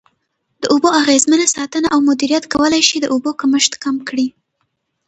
د اوبو اغیزمنه ساتنه او مدیریت کولای شي د اوبو کمښت کم کړي.